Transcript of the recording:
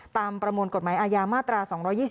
ตามประมวลกฎหมายอายามมาตรา๒๒๘